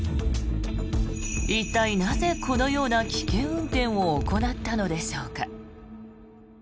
一体、なぜこのような危険運転を行ったのでしょうか。